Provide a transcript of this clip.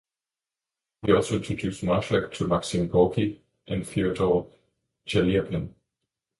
He also introduced Marshak to Maxim Gorky and Feodor Chaliapin.